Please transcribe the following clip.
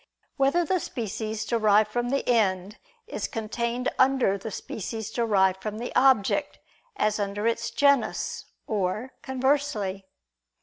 7] Whether the Species Derived from the End Is Contained Under the Species Derived from the Object, As Under Its Genus, or Conversely?